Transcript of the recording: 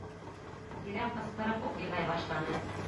Дилә ҡысҡырып уҡ илай башланы.